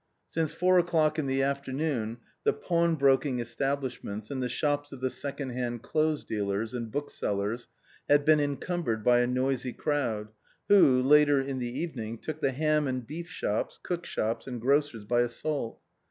Since four o'clock in the afternoon the pawnbroking establishments and the shops of the second hand clothes dealers and booksellers had been encumbered by a noisy crowd, who, later in the evening, took the ham and beef shops, cook shops, and grocers by assault.